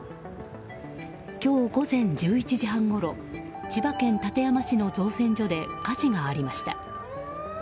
今日午前１１時半ごろ千葉県館山市の造船所で火事がありました。